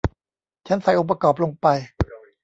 ฉันใส่องค์ประกอบลงไป